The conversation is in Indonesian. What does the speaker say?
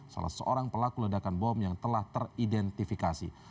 salah seorang pelaku ledakan bom yang telah teridentifikasi